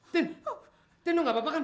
tin lu gak apa apa kan